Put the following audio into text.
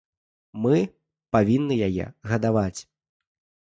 Мы павінны яе гадаваць.